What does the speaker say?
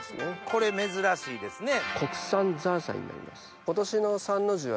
これ珍しいですね。